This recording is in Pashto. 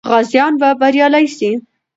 غازیان به بریالي سي.